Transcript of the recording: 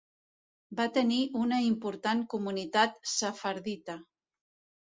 Va tenir una important comunitat sefardita.